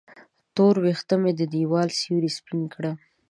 تور وېښته مې د دیوال سیورې سپین کړي